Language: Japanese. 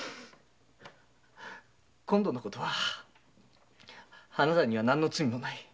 今度のことはあなたには何の罪もない。